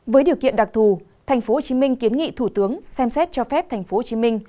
với điều kiện đặc thù tp hcm kiến nghị thủ tướng xem xét cho phép tp hcm